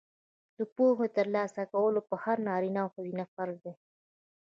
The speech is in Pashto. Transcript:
د پوهې ترلاسه کول په هر نارینه او ښځینه فرض دي.